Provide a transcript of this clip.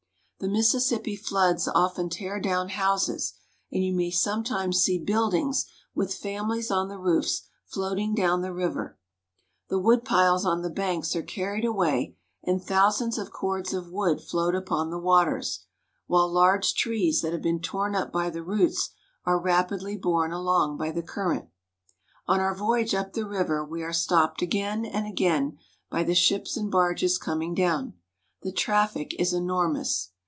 The Mis sissippi floods often tear down houses, and you may some times see buildings, with families on the roofs, floating down the river. The woodpiles on the banks are carried away, and thousands of cords of wood float upon the waters, while large trees that have been torn up by the roots are rapidly borne along by the current. On our voyage up the river we are stopped again and again by the ships and barges coming down. The traffic is enormous.